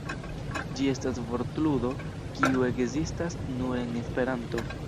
Ĝi estas vortludo kiu ekzistas nur en Esperanto.